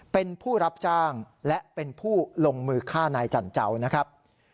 เป็นผู้รับจ้างและเป็นผู้ลงมือฆ่านายจันเจ้านะครับ